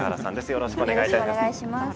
よろしくお願いします。